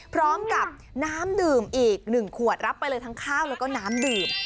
พร้อมกับน้ำดื่มอีก๑ขวดรับไปเลยทั้งข้าวแล้วก็น้ำดื่ม